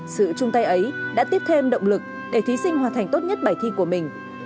sự chung tay ấy đã tiếp thêm động lực để thí sinh hoàn thành tốt nhất bài thi của mình